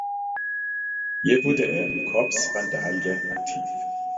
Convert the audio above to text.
Hier wurde er im "Corps Vandalia" aktiv.